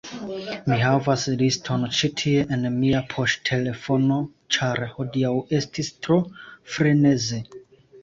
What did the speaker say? Mi havas liston ĉi tie en mia poŝtelefono ĉar hodiaŭ estis tro freneze